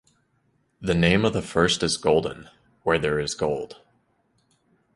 The name of the first is golden, where there is gold;